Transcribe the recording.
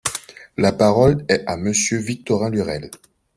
La parole est à Monsieur Victorin Lurel.